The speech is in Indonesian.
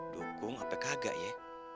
dukung atau kagak ya